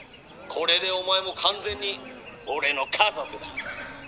これでお前も完全に俺の家族だ」。